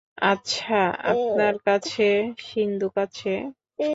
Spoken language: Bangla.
আচ্ছা, আপনার কাছে সিন্দুক আছে?